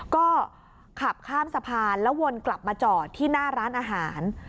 ก็ขับข้ามสะพานแล้ววนกลับมาจอดที่หน้าร้านอาหาร